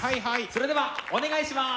それではお願いします。